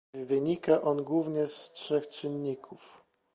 Wynika on głównie z trzech czynników